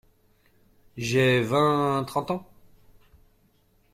J’ai vingt, trente ans.